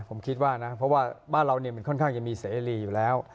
ผมคิดว่านะเพราะว่าบ้านเราเนี่ยมันค่อนข้างจะมีเสรีอยู่แล้ว